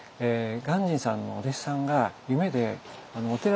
鑑真さんのお弟子さんが夢でお寺のですね